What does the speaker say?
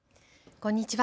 こんにちは。